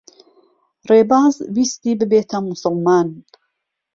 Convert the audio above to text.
ڕێباز ویستی ببێتە موسڵمان.